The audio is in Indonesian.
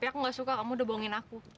aku nggak suka kamu udah bohongin aku